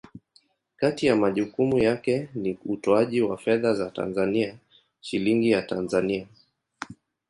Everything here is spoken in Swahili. Kati ya majukumu yake ni utoaji wa fedha za Tanzania, Shilingi ya Tanzania.